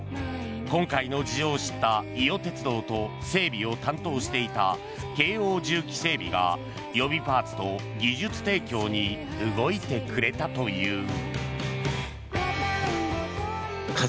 今回の事情を知った伊予鉄道と整備を担当していた京王重機整備が予備パーツと技術提供に動いてくれたという。